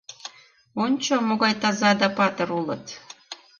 — Ончо, могай таза да патыр улыт!